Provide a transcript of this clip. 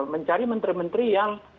mencari menteri menteri yang